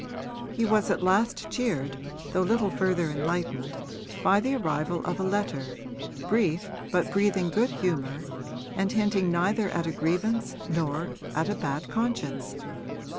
He was at last cheered, though little further enlightened, by the arrival of a letter, brief but breathing good humour and hinting neither at a grievance nor at a bad conscience.